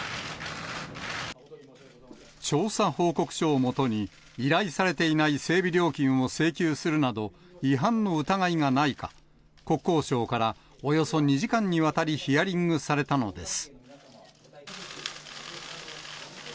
調査報告書を基に、依頼されていない整備料金を請求するなど、違反の疑いがないか、国交省からおよそ２時間にわたりヒアリングされたのです。